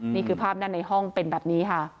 นี่คือภาพด้านในห้องเป็นแบบนี้ค่ะ